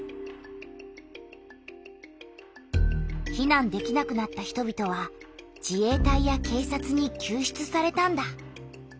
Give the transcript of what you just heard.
避難できなくなった人びとは自衛隊や警察にきゅう出されたんだ。